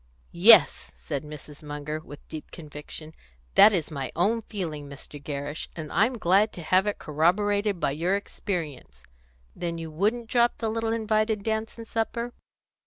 "Yes," said Mrs. Munger, with deep conviction, "that is my own feeling, Mr. Gerrish, and I'm glad to have it corroborated by your experience. Then you wouldn't drop the little invited dance and supper?"